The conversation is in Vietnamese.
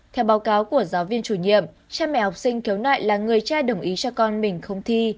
theo báo cáo của giáo viên chủ nhiệm cha mẹ học sinh khiếu nại là người cha đồng ý cho con mình không thi